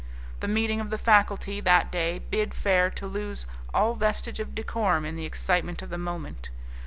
The meeting of the faculty that day bid fair to lose all vestige of decorum in the excitement of the moment.